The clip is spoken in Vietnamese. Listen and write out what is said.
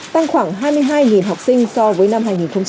tăng khoảng hai mươi hai học sinh so với năm hai nghìn hai mươi